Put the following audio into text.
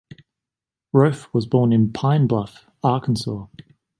Roaf was born in Pine Bluff, Arkansas.